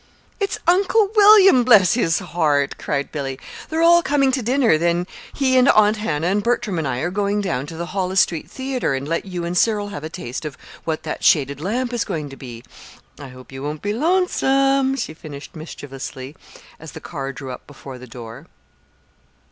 "It's Uncle William bless his heart!" cried Billy. "They're all coming to dinner, then he and Aunt Hannah and Bertram and I are going down to the Hollis Street Theatre and let you and Cyril have a taste of what that shaded lamp is going to be. I hope you won't be lonesome," she finished mischievously, as the car drew up before the door.